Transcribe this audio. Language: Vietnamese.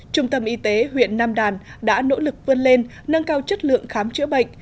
trung tâm y tế huyện nam đàn đã nỗ lực vươn lên nâng cao chất lượng khám chữa bệnh